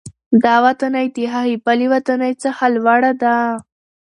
دا ودانۍ د هغې بلې ودانۍ څخه لوړه ده.